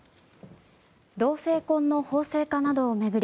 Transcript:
同性婚の法制化などを巡り